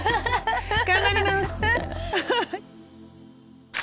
「頑張ります！」